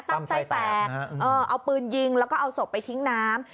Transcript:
ตั้งใจแตกเอาปืนยิงแล้วก็เอาศพไปทิ้งน้ำ